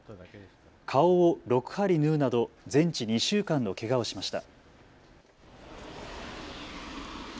顔を６針縫うなど全治２週間のけがをしました。